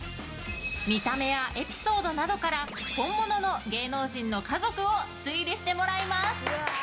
見た目やエピソードなどから本物の芸能人の家族を推理してもらいます。